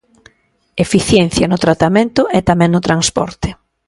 Eficiencia no tratamento e tamén no transporte.